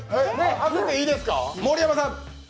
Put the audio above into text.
当てていいですか。